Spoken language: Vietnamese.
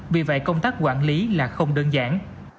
vì vậy công tác quản lý là không đơn giản